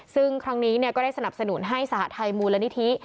ซึ่งครั้งนี้ก็ได้สนับสนุนให้สหทัยมูลนิธิ